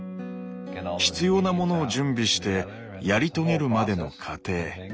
必要なモノを準備してやり遂げるまでの過程。